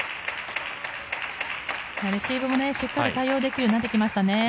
レシーブもしっかり対応できるようになってきましたね。